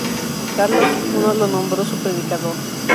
Carlos I lo nombró su predicador.